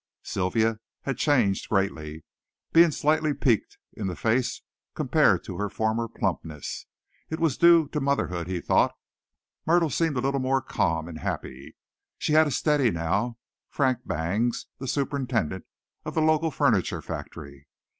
Sylvia had changed greatly being slightly "peaked" in the face compared to her former plumpness; it was due to motherhood, he thought. Myrtle seemed a little more calm and happy. She had a real "steady" now, Frank Bangs, the superintendent of the local furniture factory.